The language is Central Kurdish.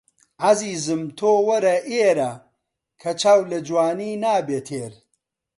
عەزیزم تۆ وەرە ئێرە کە چاو لە جوانی نابێ تێر